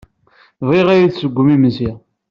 Bɣiɣ ad iyi-d-tessewwem imensi.